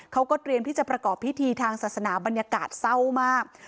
เขาก็เตรียมที่จะประกอบพิธีทางศาสนาบรรยากาศเศร้ามาก